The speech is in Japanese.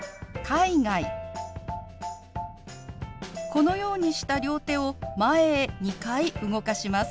このようにした両手を前へ２回動かします。